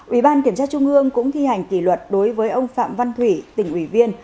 ủy ban kiểm tra trung ương cũng thi hành kỷ luật đối với ông phạm văn thủy tỉnh ủy viên